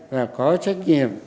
và có trách nhiệm